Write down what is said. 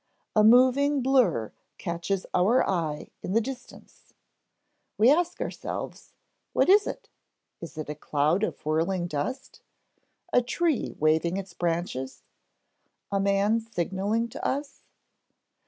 A moving blur catches our eye in the distance; we ask ourselves: "What is it? Is it a cloud of whirling dust? a tree waving its branches? a man signaling to us?"